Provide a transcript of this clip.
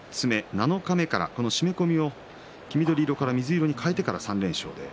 七日目から締め込みを黄緑色から水色に変えてから３連勝で。